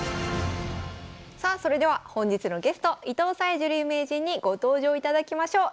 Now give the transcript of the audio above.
さあそれでは本日のゲスト伊藤沙恵女流名人にご登場いただきましょう。